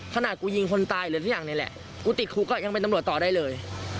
ขนาดกูยิงคนตายหรือทุกอย่างนี่แหละกูติดคุกก็ยังเป็นตำรวจต่อได้เลย